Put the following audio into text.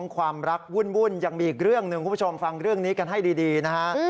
ความรักวุ่นยังมีอีกเรื่องหนึ่งคุณผู้ชมฟังเรื่องนี้กันให้ดีนะฮะ